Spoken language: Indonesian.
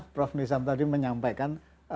prof nizam tadi menyampaikan